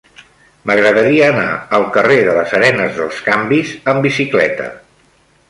M'agradaria anar al carrer de les Arenes dels Canvis amb bicicleta.